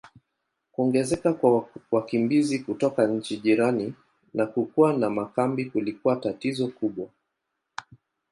Kuongezeka kwa wakimbizi kutoka nchi jirani na kukua kwa makambi kulikuwa tatizo kubwa.